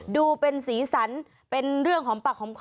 ดูเป็นศีลสรรฟ์เป็นเรื่องขอมปักขอมคอ